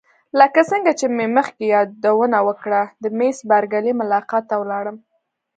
لکه څنګه چې مې مخکې یادونه وکړه د میس بارکلي ملاقات ته ولاړم.